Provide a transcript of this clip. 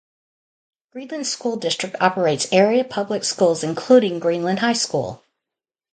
Greenland School District operates area public schools including Greenland High School.